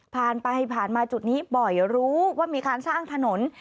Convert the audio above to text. ผ่านไปผ่านมาจุดนี้บ่อยรู้ว่ามีการสร้างถนน